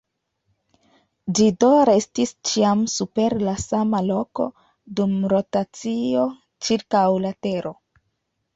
Ĝi do restis ĉiam super la sama loko dum rotacio ĉirkaŭ la tero.